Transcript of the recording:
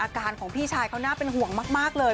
อาการของพี่ชายเขาน่าเป็นห่วงมากเลย